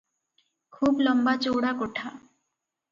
ଖୁବ୍ ଲମ୍ବାଚଉଡ଼ା କୋଠା ।